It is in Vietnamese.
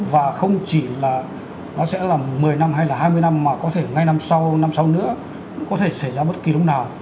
và không chỉ là nó sẽ là một mươi năm hay là hai mươi năm mà có thể ngay năm sau năm sau nữa có thể xảy ra bất kỳ lúc nào